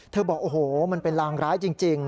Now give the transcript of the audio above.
บอกโอ้โหมันเป็นลางร้ายจริง